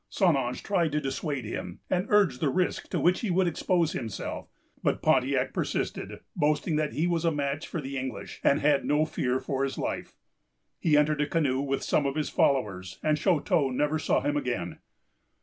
St. Ange tried to dissuade him, and urged the risk to which he would expose himself; but Pontiac persisted, boasting that he was a match for the English, and had no fear for his life. He entered a canoe with some of his followers, and Chouteau never saw him again.